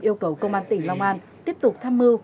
yêu cầu công an tỉnh long an tiếp tục tham mưu